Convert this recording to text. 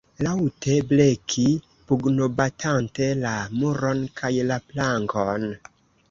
Laŭte bleki pugnobatante la muron kaj la plankon.